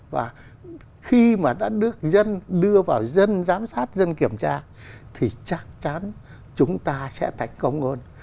và khi mà đã được dân đưa vào dân giám sát dân kiểm tra thì chắc chắn chúng ta sẽ thành công hơn